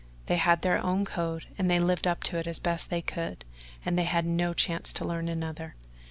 They had their own code and they lived up to it as best they could, and they had had no chance to learn another.